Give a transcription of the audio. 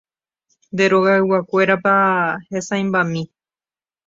Nde rogayguakuérapa hesãimbami.